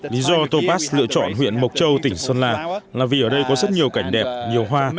lý do topas lựa chọn huyện mộc châu tỉnh sơn la là vì ở đây có rất nhiều cảnh đẹp nhiều hoa